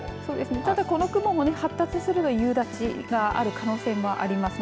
ただ、この雲も発達すると夕立があるかもしれません。